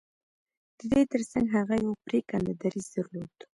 د دې ترڅنګ هغه يو پرېکنده دريځ درلود.